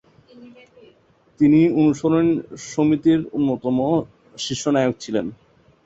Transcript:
তিনি অনুশীলন সমিতির অন্যতম শীর্ষনায়ক ছিলেন।